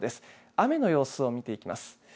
雨の様子を見ていきます。